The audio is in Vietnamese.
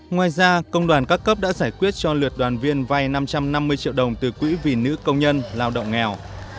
ngoài ra công đoàn các cấp đã giải quyết cho lượt đoàn viên vay năm trăm năm mươi triệu đồng từ quỹ vì nữ công nhân lao động nghèo